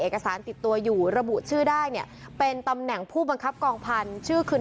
เอกสารติดตัวอยู่ระบุชื่อได้เนี่ยเป็นตำแหน่งผู้บังคับกองพันธุ์ชื่อคือ